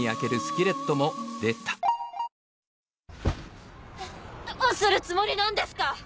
どうするつもりなんですか！